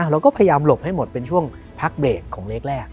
เราก็พยายามหลบให้หมดเป็นช่วงพักเบรกของเลขแรก